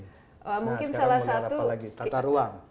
nah sekarang mau lihat apa lagi tata ruang